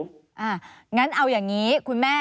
อย่างนั้นเอาอย่างนี้คุณแม่